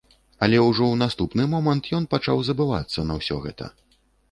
Але ўжо ў наступны момант ён пачаў забывацца на ўсё гэта.